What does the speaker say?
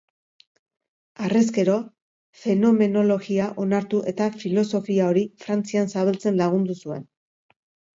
Harrezkero, fenomenologia onartu eta filosofia hori Frantzian zabaltzen lagundu zuen.